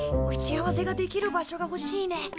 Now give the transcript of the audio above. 打ち合わせができる場所がほしいね。